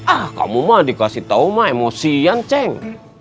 ah kamu mah dikasih tau mah emosian ceng